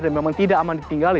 dan memang tidak aman ditinggali